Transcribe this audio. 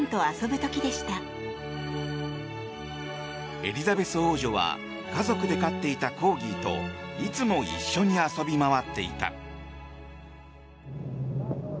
エリザベス王女は家族で飼っていたコーギーといつも一緒に遊び回っていた。